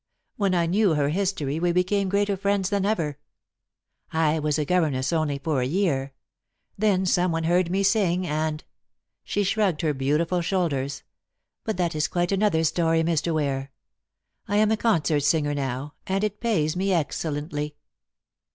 When I knew her history we became greater friends than ever. I was a governess only for a year. Then someone heard me sing, and " she shrugged her beautiful shoulders "but that is quite another story, Mr. Ware. I am a concert singer now, and it pays me excellently."